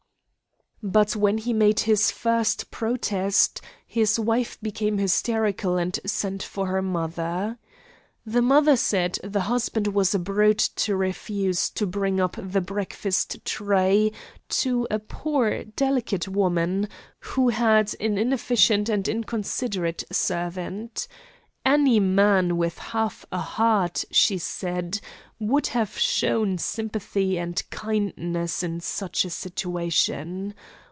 But when he made his first protest his wife became hysterical and sent for her mother. The mother said the husband was a brute to refuse to bring up the breakfast tray to a poor delicate woman, who had an inefficient and inconsiderate servant. Any man with half a heart, she said, would have shown sympathy and kindness in such a situation.